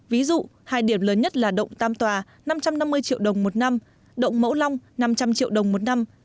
ví dụ hai điểm lớn nhất là động tam tòa năm trăm năm mươi triệu đồng một năm đậu mẫu long năm trăm linh triệu đồng một năm